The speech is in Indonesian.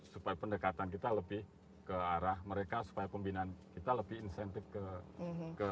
supaya pendekatan kita lebih ke arah mereka supaya pembinaan kita lebih insentif ke